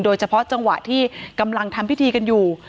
โดยเฉพาะจังหวะที่กำลังทำพิธีกันอยู่